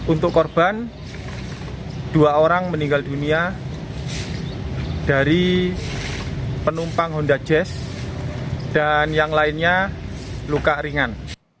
untuk korban dua orang meninggal dunia dari penumpang honda jazz dan yang lainnya luka ringan